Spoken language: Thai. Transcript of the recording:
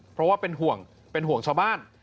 เพราะว่าเป็นห่วงเป็นห่วงชาวบ้าน